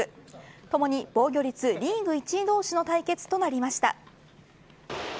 共に防御率リーグ１位同士の対決となりました。